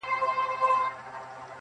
څه د مستیو ورځي شپې ووینو،